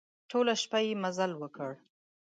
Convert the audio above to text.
ټوله شپه يې مزل وکړ.